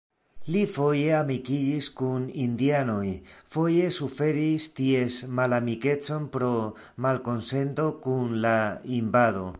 Li foje amikiĝis kun indianoj, foje suferis ties malamikecon pro malkonsento kun la invado.